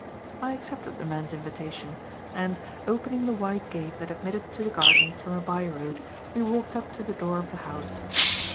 I accepted the man's invitation, and, opening the wide gate that admitted to the garden from a byroad, we walked up to the door of the house.